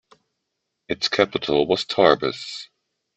Its capital was Tarbes.